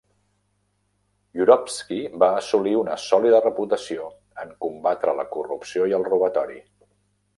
Yurovsky va assolit una sòlida reputació en combatre la corrupció i el robatori.